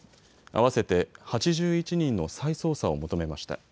合わせて８１人の再捜査を求めました。